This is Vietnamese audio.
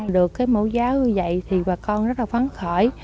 được cái mẫu giáo như vậy thì bà con rất là phán khỏi